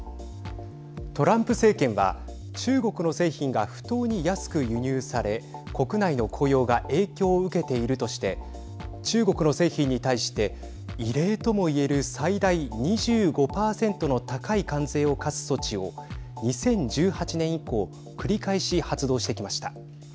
トランプ政権は中国の製品が不当に安く輸入され国内の雇用が影響を受けているとして中国の製品に対して異例ともいえる最大２５％の高い関税を課す措置を２０１８年以降繰り返し発動してきました。